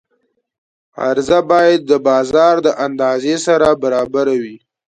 عرضه باید د بازار د اندازې سره برابره وي.